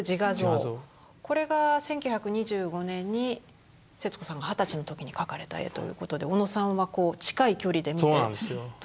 これが１９２５年に節子さんが二十歳の時に描かれた絵ということで小野さんは近い距離で見てどうでしたか？